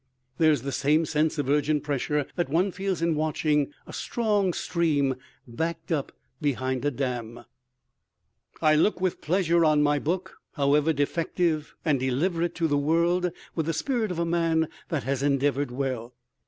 There is the same sense of urgent pressure that one feels in watching a strong stream backed up behind a dam: I look with pleasure on my book, however defective, and deliver it to the world with the spirit of a man that has endeavored well.